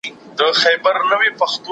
دخپل خاوند قاتل ته یې ځولۍ نیولې ده